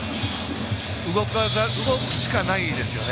動くしかないですよね。